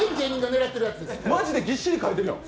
マジでぎっしり書いてるやん！